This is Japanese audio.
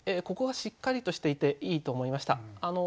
ここがしっかりとしていていいと思いました。